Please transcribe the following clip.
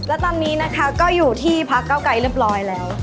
และตอนนี้นะคะก็อยู่ที่พักเก้าไกรเรียบร้อยแล้ว